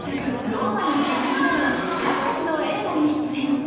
「ローマの休日」など数々の映画に出演。